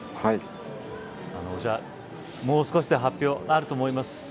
もう少しで発表があると思います。